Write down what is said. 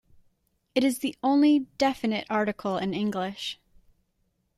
It is the only definite article in English.